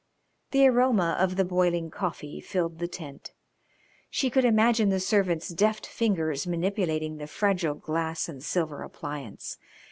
The aroma of the boiling coffee filled the tent. She could imagine the servant's deft fingers manipulating the fragile glass and silver appliance.